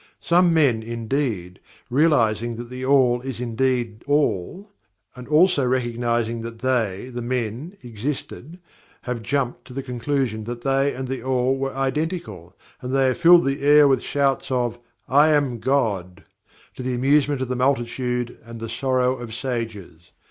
Some men, indeed, realizing that THE ALL is indeed ALL, and also recognizing that they, the men, existed, have jumped to the conclusion that they and THE ALL were identical, and they have filled the air with shouts of "I AM GOD," to the amusement of the multitude and the sorrow of sages.